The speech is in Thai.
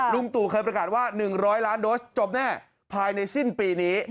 ลุงตู่เคยประกาศว่า๑๐๐ล้านโดสจบแน่ภายในสิ้นปีนี้